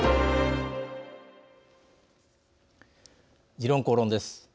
「時論公論」です。